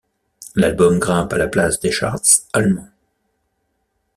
L'album grimpe à la place des charts allemands.